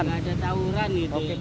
nggak ada tauran